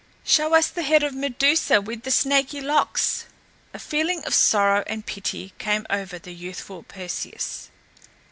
"Show us the head of Medusa with the snaky locks!" A feeling of sorrow and pity came over the youthful Perseus.